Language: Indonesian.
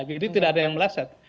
jadi tidak ada yang meleset